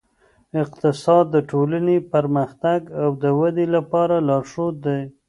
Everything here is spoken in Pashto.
اقتصاد د ټولنې پرمختګ او ودې لپاره لارښود دی.